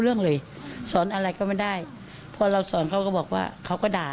เรื่องเลยสอนอะไรก็ไม่ได้พอเราสอนเขาก็บอกว่าเขาก็ด่า